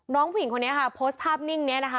น้องผู้หญิงคนนี้ค่ะโพสต์ภาพนิ่งนี้นะคะ